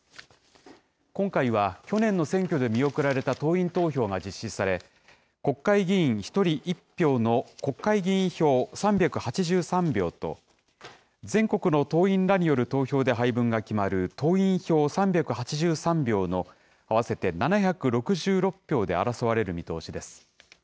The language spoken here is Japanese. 今回は、去年の選挙で見送られた党員投票が実施され、国会議員１人１票の国会議員票３８３票と、全国の党員らによる投票で配分が決まる党員票３８３票の合わせて７６６票で争われる見通しです。